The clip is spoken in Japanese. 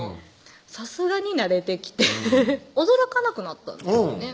さすがに慣れてきて驚かなくなったんですよね